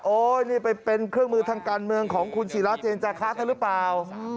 โอ๊ยนี่เป็นเครื่องมือทางการเมืองของคุณศิรัทธิ์เจนจาฆาตหรือเปล่า